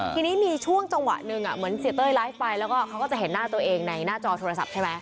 ทีนี้มีช่วงจังหวะหนึ่งเหมือนเสียเต้ยไลฟ์ไปแล้วก็เขาก็จะเห็นหน้าตัวเองในหน้าจอโทรศัพท์ใช่ไหม